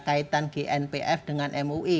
dan itu itu yang menyebutkan dengan mui